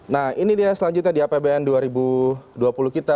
nah ini dia selanjutnya di apbn dua ribu dua puluh kita